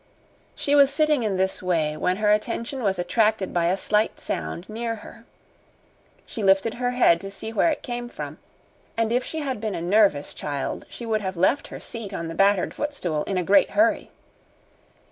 She was sitting in this way when her attention was attracted by a slight sound near her. She lifted her head to see where it came from, and if she had been a nervous child she would have left her seat on the battered footstool in a great hurry.